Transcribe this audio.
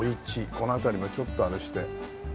この辺りちょっとあれして。